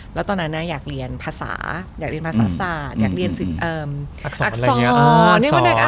แล้วตอนนั้นอยากเรียนภาษาอยากเรียนภาษาศาสตร์อยากเรียนอักษร